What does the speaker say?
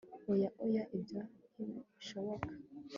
Oya oya ibyo ntibishoboka